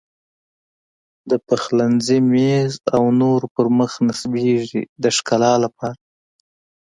د پخلنځي میز او نورو پر مخ نصبېږي د ښکلا لپاره.